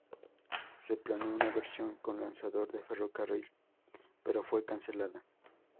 Se planeó una versión con lanzador de ferrocarril, pero fue cancelada.